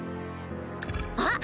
あっ！